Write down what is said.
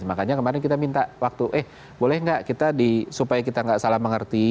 makanya kemarin kita minta waktu eh boleh nggak kita supaya kita nggak salah mengerti